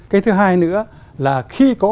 cái thứ hai nữa là khi có